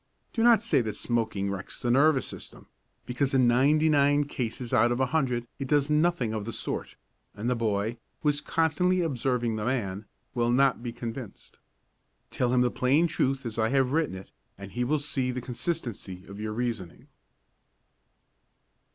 Do not say that smoking wrecks the nervous system, because in ninety nine cases out of a hundred it does nothing of the sort, and the boy, who is constantly observing the man, will not be convinced. Tell him the plain truth as I have written it, and he will see the consistency of your reasoning.